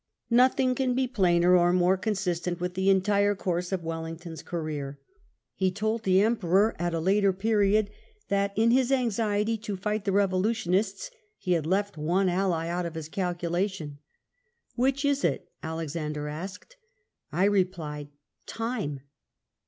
Nothing can be plainer or more consistent with the entire course of Wellington's career. He told the Emperor, at a later period, that, in his anxiety to fight the revolutionists, he had left one ally out of his calculation. "'Which is itT Alexander asked. I replied, Time